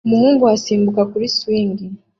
umuhungu asimbuka kuri swing